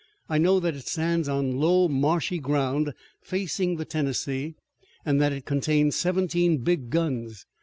I know that it stands on low, marshy ground facing the Tennessee, and that it contains seventeen big guns.